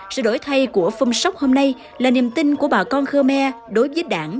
sự đổi thay của phong sóc hôm nay là niềm tin của bà con khmer đối với đảng